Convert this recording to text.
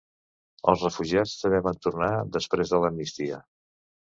Els refugiats també van tornar després de l'amnistia.